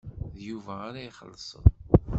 D Yuba ara ixellṣen.